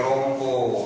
aku tidak tahu